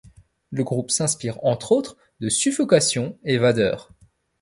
Le groupe s'inspire entre autres de Suffocation et Vader.